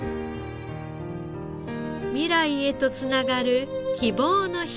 未来へとつながる希望の光。